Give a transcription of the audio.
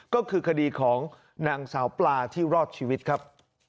ก็คือคดีของนางสาวปลาที่รอดชีวิตครับ